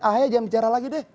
ahi aja yang bicara lagi deh